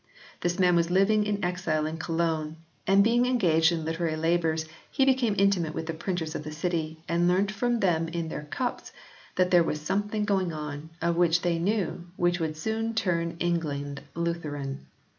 This man was living in exile in Cologne and being engaged in literary labours he became intimate with the printers of the city, and learnt from them in their cups that there was something going on, of which they knew, which would soon turn England Lutheran.